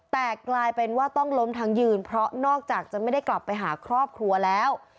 แต่กลายเป็นว่าต้องล้มทั้งยืนเพราะนอกจากจะไม่ได้กลับไปหาครอบครัวแล้ว